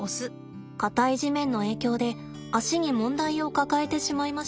硬い地面の影響で足に問題を抱えてしまいました。